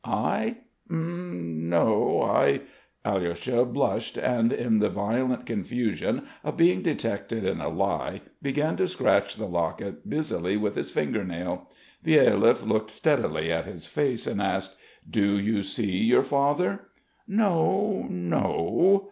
"I? Mm ... no ... I ..." Alyosha blushed and in the violent confusion of being detected in a lie began to scratch the locket busily with his finger nail. Byelyaev looked steadily at his face and asked: "Do you see your father?" "No ... no!"